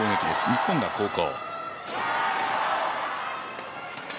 日本が後攻。